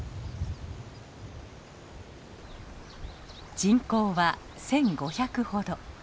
人口は１，５００ほど。